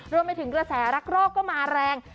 รวมไปถึงกระแสรักรอกก็มาแรง